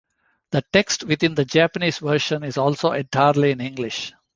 The text within the Japanese version is also entirely in English.